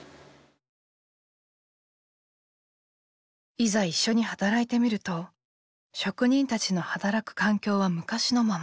いざ一緒に働いてみると職人たちの働く環境は昔のまま。